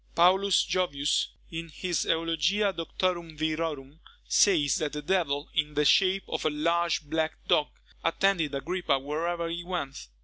Paulus Jovius, in his Eulogia Doctorum Virorum, says, that the devil, in the shape of a large black dog, attended Agrippa wherever he went.